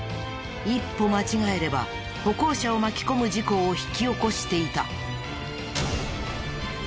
一歩間違えれば歩行者を巻き込む事故を引き起こしていた。